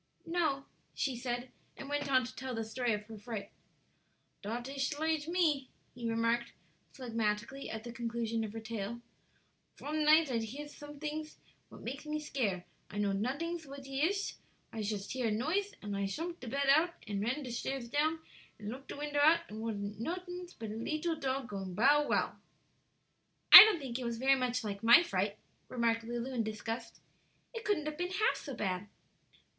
"No," she said, and went on to tell the story of her fright. "Dot ish lige me," he remarked, phlegmatically, at the conclusion of her tale. "Von nighd I hears somedings what make me scare. I know notings what he ish; I shust hears a noise, an' I shumpt de bed out, and ran de shtairs down, and looked de window out, and it wasn't notings but a leetle tog going 'Bow wow.'" "I don't think it was very much like my fright," remarked Lulu, in disgust; "it couldn't have been half so bad."